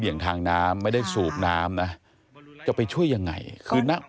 ทางน้ำไม่ได้สูบน้ำนะจะไปช่วยยังไงคือนัก